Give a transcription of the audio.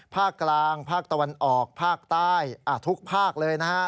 ภาคกลางภาคตะวันออกภาคใต้ทุกภาคเลยนะฮะ